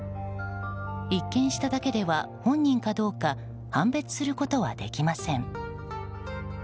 一見しただけでは本人かどうか判別することはできません。